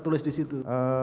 berlega sama mutu